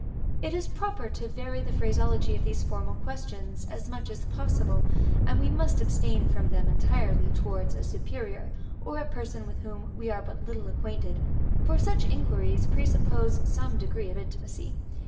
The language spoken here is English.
It is proper to vary the phraseology of these formal questions, as much as possible; and we must abstain from them entirely, towards a superior, or a person with whom we are but little acquainted, for such inquiries presuppose some degree of intimacy.